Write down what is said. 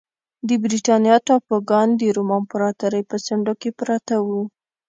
د برېټانیا ټاپوګان د روم امپراتورۍ په څنډو کې پراته وو